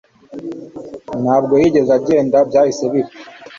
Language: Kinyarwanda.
Ntabwo yigeze agenda byahise bipfa